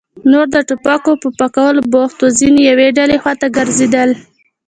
نور د ټوپکو په پاکولو بوخت وو، ځينې يوې بلې خواته ګرځېدل.